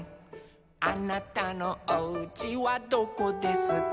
「あなたのおうちはどこですか」